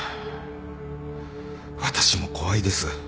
私も怖いです。